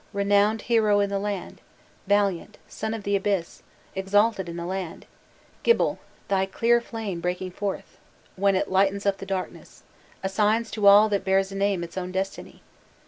"Gibil, renowned hero in the land, valiant, son of the Abyss, exalted in the land, Gibil, thy clear flame, breaking forth, when it lightens up the darkness, assigns to all that bears a name its own destiny.